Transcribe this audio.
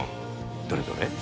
どれどれ？